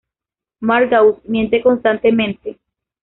Margaux miente constantemente.